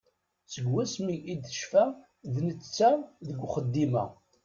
Seg wasmi i d-yecfa d netta deg uxeddim-a.